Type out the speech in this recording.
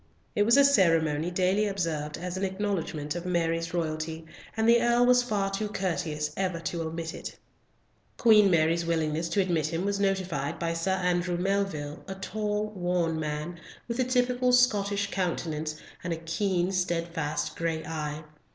It was a ceremony daily observed as an acknowledgment of Mary's royalty, and the Earl was far too courteous ever to omit it. Queen Mary's willingness to admit him was notified by Sir Andrew Melville, a tall, worn man, with the typical Scottish countenance and a keen steadfast gray eye.